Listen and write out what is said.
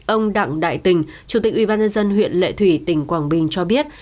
ông đặng đại tình chủ tịch ubnd huyện lệ thủy tỉnh quảng bình cho biết